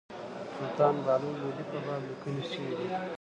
سلطان بهلول لودي په باب لیکني شوي دي.